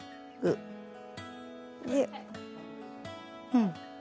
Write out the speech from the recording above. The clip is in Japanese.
うん。